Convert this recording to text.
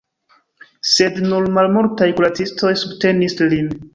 Sed nur malmultaj kuracistoj subtenis lin.